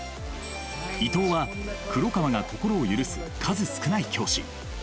伊藤は黒川が心を許す数少ない教師。